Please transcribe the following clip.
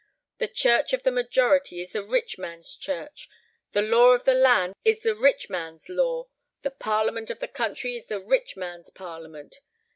The church of the majority is the rich man's church, the law of the land is the rich man's law, the parliament of the country is the rich man's parliament.